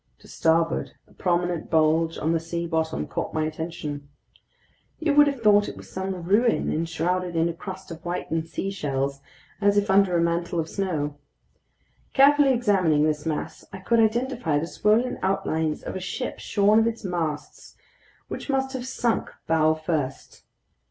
To starboard, a prominent bulge on the sea bottom caught my attention. You would have thought it was some ruin enshrouded in a crust of whitened seashells, as if under a mantle of snow. Carefully examining this mass, I could identify the swollen outlines of a ship shorn of its masts, which must have sunk bow first.